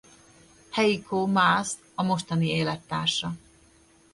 Heiko Maas a mostani élettársa.